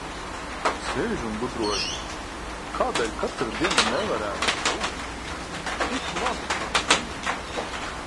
Sēžu un gudroju, kādēļ katra diena nevarētu būt tik laba, kā šī.